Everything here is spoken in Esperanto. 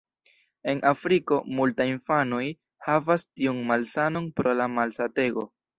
En Afriko multa infanoj havas tiun malsanon pro la malsatego.